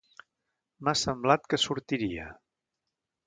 M'ha semblat que sortiria.